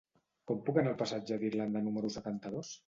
Com puc anar al passatge d'Irlanda número setanta-dos?